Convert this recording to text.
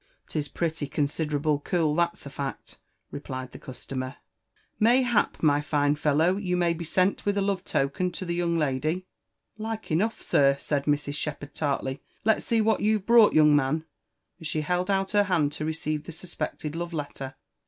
*Tis pretty considerable cool, that's a fact," replied the customer. —Mayhap, my fine fellow, you may be sent with a love loken to the young Udyy* *' Like enough, sir," said Mrs. Shepherd tartly. '' Let's see what you've brought, young man ;" and she held out her hand to receive the suspected love letter.